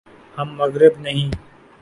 ہم مغرب نہیں۔